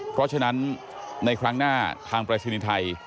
เพราะฉะนั้นในครั้งหน้าทางประชินินไทย